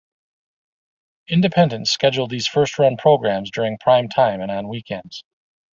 Independents scheduled these first-run programs during prime time and on weekends.